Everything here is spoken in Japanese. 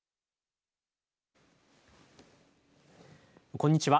こんにちは。